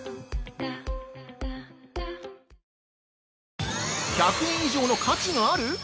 ◆１００円以上の価値がある！？